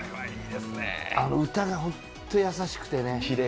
あの歌がほんと優しくてね。